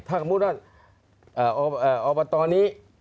ถ้าคุณพุทธ